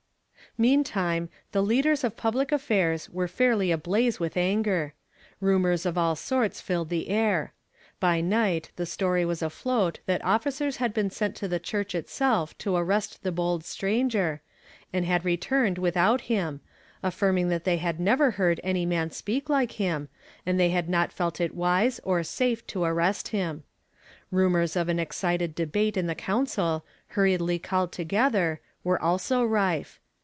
Meantime, the leaders of public affairs were fairly ablaze with anger. Rumors of all sorts filled the air. By night the story was afloat that officers had been sent to the church itself to ar rest the bold stranger, and had returned without him, affirming that they had never heard any man speak like him, and they had not felt it wise or safe to arrest him. Rumors of an excited debate in the council, hurriedly called together, were also rife.